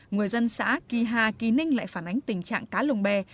người dân xã kỳ hà kỳ ninh lại phản ánh tình trạng cá lồng bè